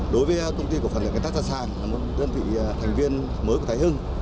đối với công ty của phần luyện cán thép gia sàng một đơn vị thành viên mới của thái hương